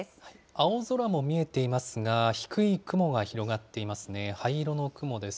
青空も見えていますが、低い雲が広がっていますね、灰色の雲です。